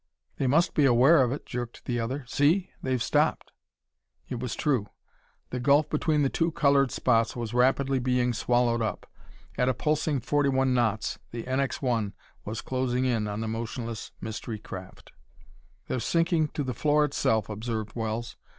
"They must be aware of it," jerked the other. "See? they've stopped!" It was true. The gulf between the two colored spots was rapidly being swallowed up. At a pulsing forty one knots the NX 1 was closing in on the motionless mystery craft. "They're sinking to the floor itself," observed Wells.